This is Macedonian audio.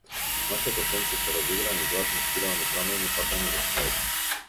Нашето сонце, со разиграни златни спирални прамени, фатени во шнолче.